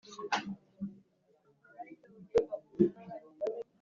abana n’ababyeyi babo rero kenshi bataramiraga hanze